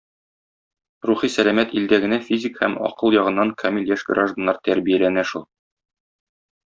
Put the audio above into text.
Рухи сәламәт илдә генә физик һәм акыл ягыннан камил яшь гражданнар тәрбияләнә шул.